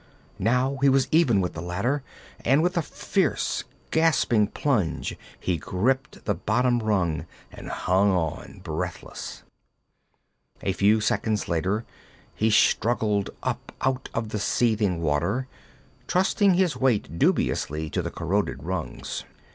Now he was even with the ladder and with a fierce, gasping plunge he gripped the bottom rung and hung on, breathless. A few seconds later he struggled up out of the seething water, trusting his weight dubiously to the corroded rungs.